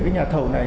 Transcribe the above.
cái nhà thầu này